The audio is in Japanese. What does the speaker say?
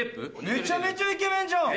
めちゃめちゃイケメンじゃん！